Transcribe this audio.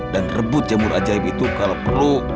dan rebut jamur ajaib itu kalau perlu